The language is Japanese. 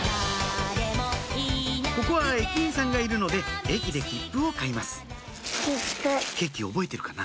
ここは駅員さんがいるので駅で切符を買いますケーキ覚えてるかな？